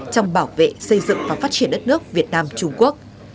trong bảo vệ xây dựng và phát triển đất nước việt nam trung quốc